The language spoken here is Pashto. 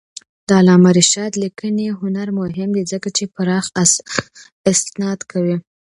د علامه رشاد لیکنی هنر مهم دی ځکه چې پراخ استناد کوي.